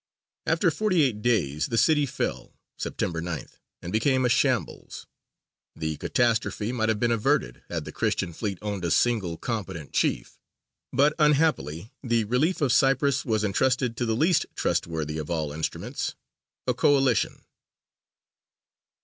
After forty eight days, the city fell, September 9th, and became a shambles. The catastrophe might have been averted, had the Christian fleet owned a single competent chief; but unhappily the relief of Cyprus was entrusted to the least trustworthy of all instruments a coalition.